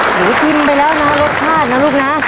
ชิมไปแล้วนะรสชาตินะลูกนะ